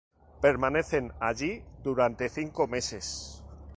Permanecen allí durante cinco meses.